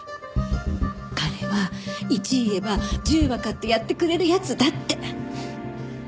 彼は１言えば１０わかってやってくれる奴だって。